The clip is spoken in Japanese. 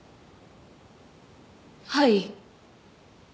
はい。